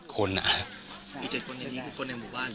อีก๗คนในบุญบ้านหรือ